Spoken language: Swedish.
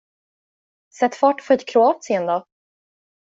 Sätt fart och få hit Kroatien då!